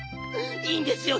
いいんですよ